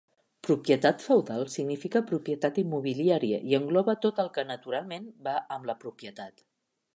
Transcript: Propietat feudal significa propietat immobiliària, i engloba tot el que naturalment va amb la propietat.